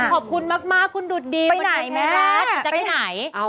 ขอบคุณมากคุณดุดดีไปไหนแม่ไปไหน